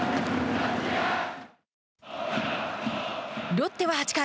ロッテは８回。